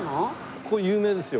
ここ有名ですよ。